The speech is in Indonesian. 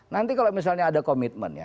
nanti kalau misalnya ada komitmen ya